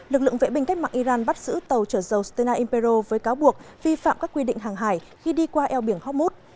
lực lượng vệ binh cách mạng iran bắt giữ tàu trở dầu sena imperial với cáo buộc vi phạm các quy định hàng hải khi đi qua eo biển horkmut